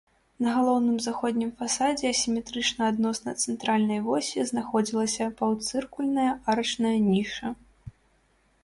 На галоўным заходнім фасадзе асіметрычна адносна цэнтральнай восі знаходзілася паўцыркульная арачная ніша.